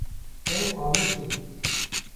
Ew aliqîn.